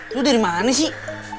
lu dari mana sih